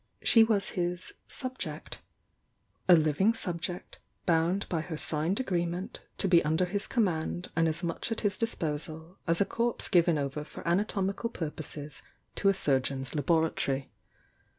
She was his "subject;" a living subject bound by her signed agreement to be under his command and as much at his disposal as a corpse given over for anatomical purposes to a surgeon's laboratory.